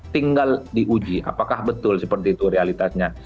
tinggal diuji apakah betul seperti itu realitasnya